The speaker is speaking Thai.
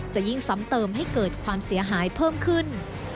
จะยิ่งซ้ำเติมให้เกิดความเสียหายเพิ่มขึ้น